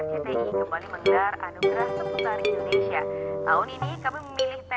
bapak ngapain tidur disini